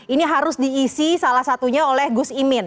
ini harus diisi salah satunya oleh gus imin